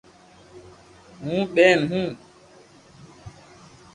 ھو ٻين ھون